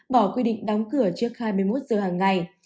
bỏ quy định đóng cửa trước hai mươi một giờ hàng ngày